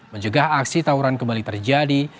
menjegah aksi tawuran kembali terjadi